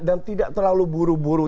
dan tidak terlalu buru buru